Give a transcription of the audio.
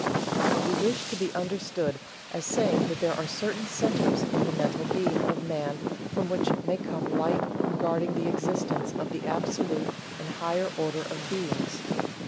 But we wish to be understood as saying that there are certain centers in the mental being of Man from which may come light regarding the existence of the Absolute and higher order of Beings.